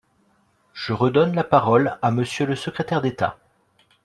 Je redonne la parole à Monsieur le secrétaire d’État.